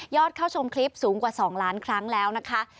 เข้าชมคลิปสูงกว่า๒ล้านครั้งแล้วนะคะ